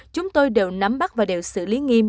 chúng tôi đều nắm bắt và đều xử lý nghiêm